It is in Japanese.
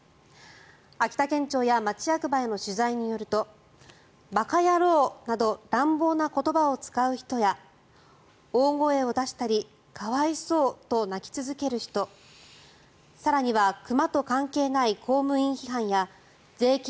秋田県庁や町役場への取材によると馬鹿野郎など乱暴な言葉を使う人や大声を出したり可哀想と泣き続ける人更には熊と関係ない公務員批判や税金